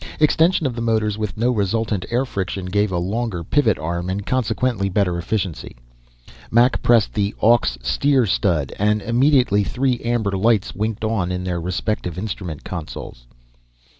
Extension of the motors with no resultant air friction gave a longer pivot arm and consequently better efficiency. Mac pressed the "Aux. Steer" stud and immediately three amber lights winked on in their respective instrument consoles.